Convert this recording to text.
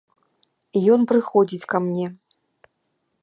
Ён прыходзіць ка мне.